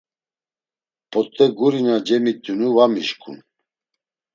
P̌ot̆e guri na cemit̆inu va mişǩun.